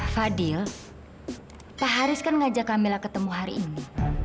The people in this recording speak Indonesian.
fadil pak haris kan ngajak camillah ketemu hari ini